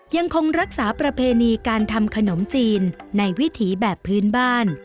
ยังคงรักษาประเพณีการทำขนมจีนในวิถีแบบพื้นบ้าน